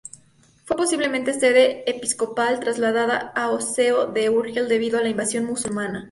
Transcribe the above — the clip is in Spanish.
Fue posiblemente sede episcopal, trasladada a Seo de Urgel debido a la invasión musulmana.